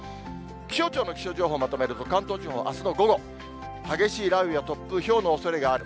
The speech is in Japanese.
気象庁の気象情報まとめると、関東地方、あすの午後、激しい雷雨や突風、ひょうのおそれがある。